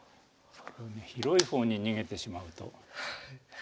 広い方に逃げてしまうと。